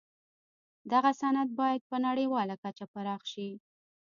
دغه صنعت باید په نړیواله کچه پراخ شي